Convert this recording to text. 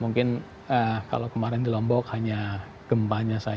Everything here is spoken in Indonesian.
mungkin kalau kemarin di lombok hanya gempanya saja